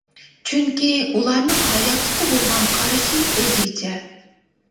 چۈنكى ئۇلارنىڭ ھاياتلىققا بولغان قارىشى ئۆزگىچە.